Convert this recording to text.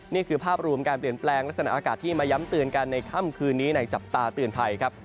นี่คือภาพรวมการเปลี่ยนแปลงลักษณะอากาศที่มาย้ำเตือนกันในค่ำคืนนี้ในจับตาเตือนภัยครับ